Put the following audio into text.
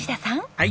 はい。